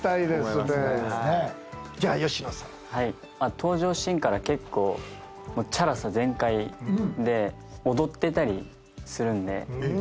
登場シーンから結構チャラさ全開で踊ってたりするんで。